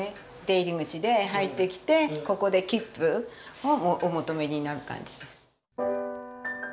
出入り口で入ってきてここで切符をお求めになる感じです。